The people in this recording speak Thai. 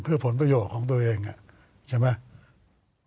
เพื่อผลประโยชน์ของตัวเองใช่ไหม